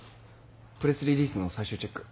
プレスリリースの最終チェック。